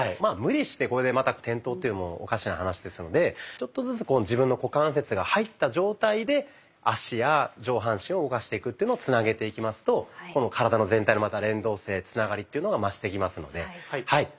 無理してこれでまた転倒っていうのもおかしな話ですのでちょっとずつこう自分の股関節が入った状態で脚や上半身を動かしていくっていうのをつなげていきますとこの体の全体のまた連動性つながりというのが増してきますので。